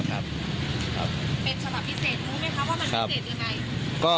เป็นฉบับพิเศษนู้มัยคะ